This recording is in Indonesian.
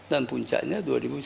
dan puncaknya dua ribu sembilan belas